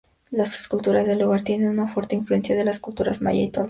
Las esculturas del lugar tienen una fuerte influencia de las culturas maya y tolteca.